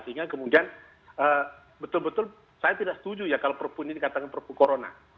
sehingga kemudian betul betul saya tidak setuju ya kalau perpu ini dikatakan perpu corona